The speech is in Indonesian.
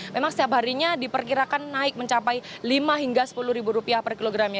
memang setiap harinya diperkirakan naik mencapai lima hingga sepuluh ribu rupiah per kilogramnya